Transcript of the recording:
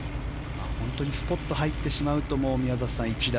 本当にスポッと入ってしまうと宮里さん一打